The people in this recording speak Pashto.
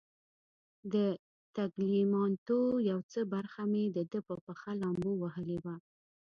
د تګلیامنتو یو څه برخه مې د ده په پښه لامبو وهلې وه.